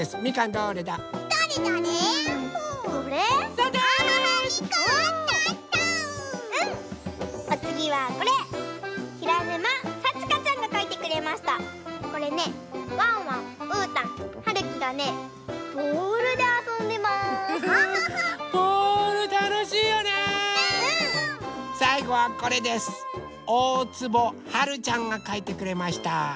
おおつぼはるちゃんがかいてくれました。